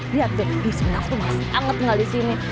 liat deh di sini aku tuh masih hangat tinggal di sini